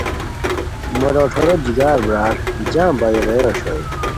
مہ لوٹھورو جگر برار جم بایو غیر اوشوئے